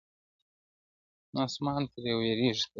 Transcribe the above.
ماسومان ترې وېرېږي تل-